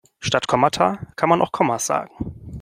Statt Kommata kann man auch Kommas sagen.